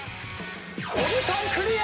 小木さんクリア！